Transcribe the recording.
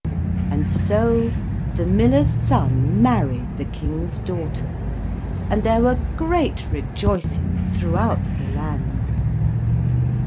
And so the miller's son married the King's daughter, and there were great rejoicings throughout the land.